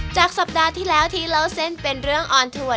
สัปดาห์ที่แล้วที่เล่าเส้นเป็นเรื่องออนทัวร์